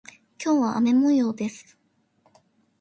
今日は雨模様です。